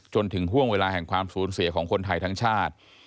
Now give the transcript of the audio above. จนถึงห่วงเวลาแห่งความสูญเสียของคนไทยทั้งชาติ